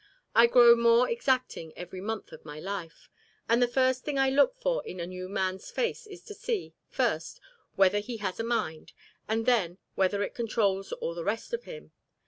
I grow more exacting every month of my life; and the first thing I look for in a new man's face is to see, first, whether he has a mind, and then, whether it controls all the rest of him.